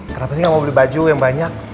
kenapa sih nggak mau beli baju yang banyak